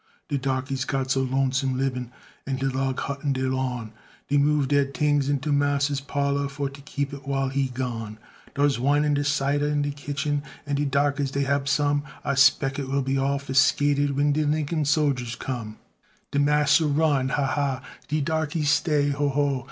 De darkeys got so lonesome libb'n In de log hut on de lawn, Dey moved dere tings into massa's parlor For to keep it while he gone. Dar's wine an' cider in de kitchin, An' de darkeys dey hab some, I spec it will be all fiscated. When de Lincum sojers come. De massa run, ha, ha! De darkey stay, ho, ho!